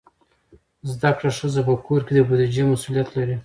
زده کړه ښځه په کور کې د بودیجې مسئولیت لري.